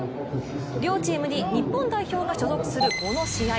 両チームに日本代表が所属するこの試合。